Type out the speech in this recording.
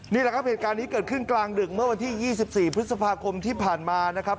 นี่แหละครับเหตุการณ์นี้เกิดขึ้นกลางดึกเมื่อวันที่๒๔พฤษภาคมที่ผ่านมานะครับ